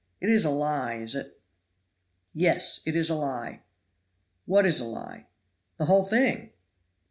It is a lie, is it?" "Yes, it is a lie." "What is a lie?" "The whole thing."